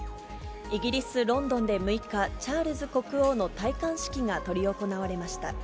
イギリス・ロンドンで６日、チャールズ国王の戴冠式が執り行われました。